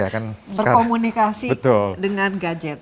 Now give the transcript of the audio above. mereka bisa berkomunikasi dengan gadget